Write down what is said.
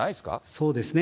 そうですね。